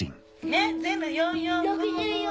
ねっ全部４４４。